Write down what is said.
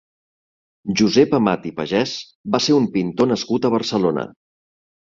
Josep Amat i Pagès va ser un pintor nascut a Barcelona.